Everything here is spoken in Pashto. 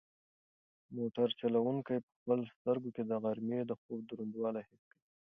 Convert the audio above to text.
موټر چلونکی په خپلو سترګو کې د غرمې د خوب دروندوالی حس کوي.